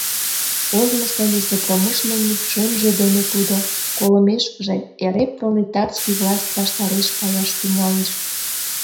Ожнысо лесопромышленник шӧнжӧ дене тудо, колымешкыже, эре пролетарский власть ваштареш каяш тӱҥалеш.